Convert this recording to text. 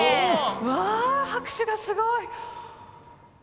うわ拍手がすごい。